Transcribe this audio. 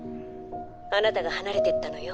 あなたが離れていったのよ。